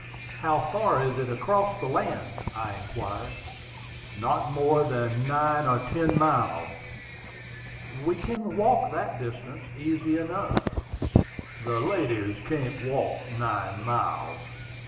"How far is it across the land?" I inquired. "Not more than nine or ten miles." "We can walk that distance easy enough." "The ladies can't walk nine miles."